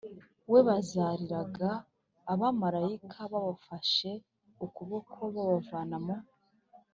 we bazariraga abamarayika babafashe ukuboko babavana mu